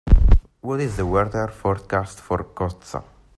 What is the weather forecast for Koszta